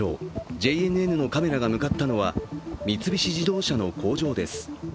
ＪＮＮのカメラが向かったのは三菱自動車の工場です。